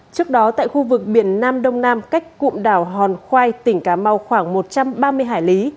trước đó tại khu vực biển nam đông nam cách cụm đảo hòn khoai tỉnh cà mau khoảng một trăm ba mươi hải lý